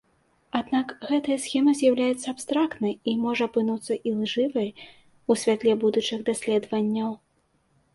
Аднак гэтая схема з'яўляецца абстрактнай і можа апынуцца ілжывай ў святле будучых даследаванняў.